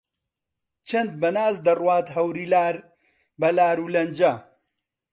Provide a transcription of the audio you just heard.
چەند بە ناز دەڕوات هەوری لار بە لارو لەنجە